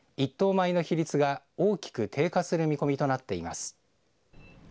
米の比率が大きく低下する見込みとなっています。